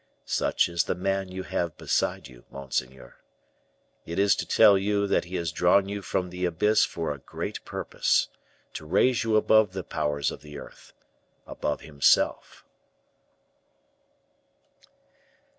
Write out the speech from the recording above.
Such is the man you have beside you, monseigneur. It is to tell you that he has drawn you from the abyss for a great purpose, to raise you above the powers of the earth above himself."